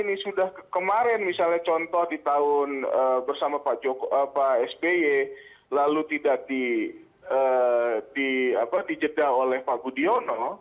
ini sudah kemarin misalnya contoh di tahun bersama pak sby lalu tidak dijeda oleh pak budiono